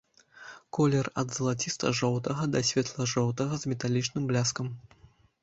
Колер ад залаціста-жоўтага да светла-жоўтага з металічным бляскам.